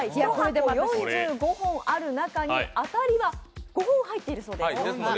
１箱４５本ある中であたりは５本入っているそうです。